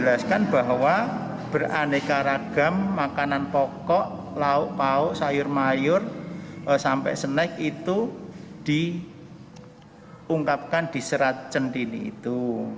jelaskan bahwa beraneka ragam makanan pokok lauk pauk sayur mayur sampai snack itu diungkapkan di serat centini itu